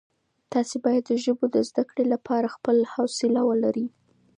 تاسي باید د ژبو د زده کړې لپاره صبر او حوصله ولرئ.